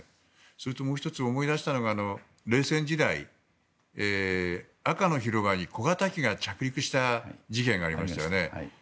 それともう１つ、思い出したのが冷戦時代赤の広場に小型機が着陸した事件がありましたよね。